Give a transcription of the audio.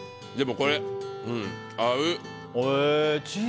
でも、これ合う。